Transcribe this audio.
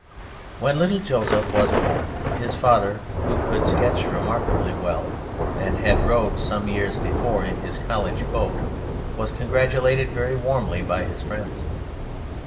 When little Joseph was born, his father (who could sketch remarkably well and had rowed some years before in his College boat) was congratulated very warmly by his friends.